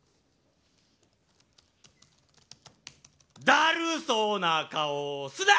だるそうな顔すな！